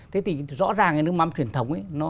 thế thì rõ ràng cái nước mắm truyền thống